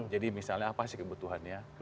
jadi misalnya apa sih kebutuhannya